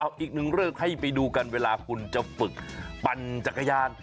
เอาอีกหนึ่งเรื่องให้ไปดูกันเวลาคุณจะฝึกปั่นจักรยาน